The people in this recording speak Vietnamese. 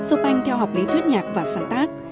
ông bắt nhạc và sáng tác